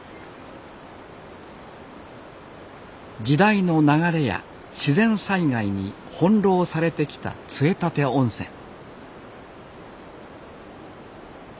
時代の流れや自然災害に翻弄されてきた杖立温泉